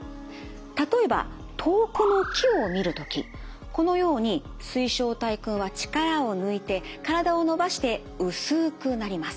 例えば遠くの木を見る時このように水晶体くんは力を抜いて体を伸ばして薄くなります。